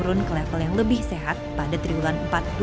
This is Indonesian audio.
mulai menurun ke level yang lebih sehat pada tribulan empat dua ribu tiga belas